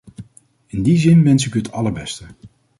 In die zin wens ik u het allerbeste.